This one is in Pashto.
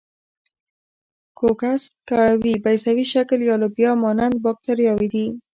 کوکس کروي، بیضوي شکل یا لوبیا مانند باکتریاوې دي.